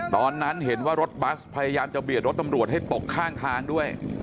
ตอนนั้นเห็นว่ารถบัสพยายามจะเบียดรถตำรวจให้ตกข้างทางด้วย